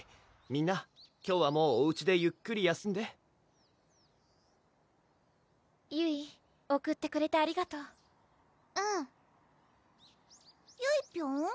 みんな今日はもうおうちでゆっくり休んでゆい送ってくれてありがとううんゆいぴょん？